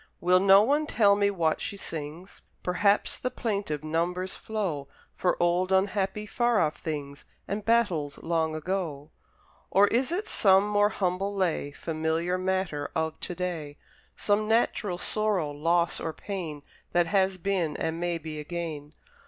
Will no one tell me what she sings? Perhaps the plaintive numbers flow For old, unhappy, far off things, And battles long ago: Or is it some more humble lay, Familiar matter of to day? Some natural sorrow, loss, or pain, That has been, and may be again?